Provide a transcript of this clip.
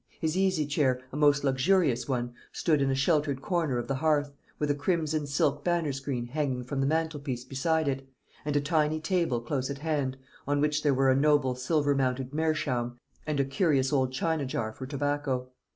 His easy chair, a most luxurious one, stood in a sheltered corner of the hearth, with a crimson silk banner screen hanging from the mantelpiece beside it, and a tiny table close at hand, on which there were a noble silver mounted meerschaum, and a curious old china jar for tobacco.